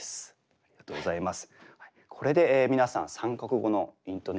ありがとうございます。